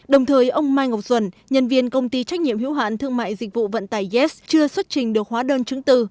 đồng thời ông mai ngọc duẩn nhân viên công ty trách nhiệm hữu hạn thương mại dịch vụ vận tải yes chưa xuất trình được hóa đơn chứng từ